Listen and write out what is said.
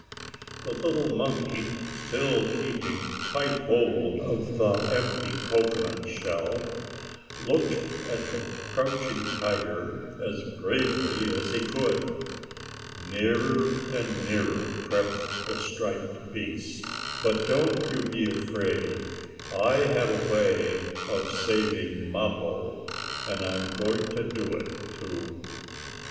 The little monkey, still keeping tight hold of the empty cocoanut shell, looked at the crouching tiger as bravely as he could. Nearer and nearer crept the striped beast. But don't you be afraid. I have a way of saving Mappo, and I'm going to do it, too!